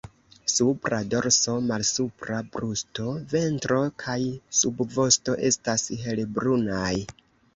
Supra dorso, malsupra brusto, ventro kaj subvosto estas helbrunaj.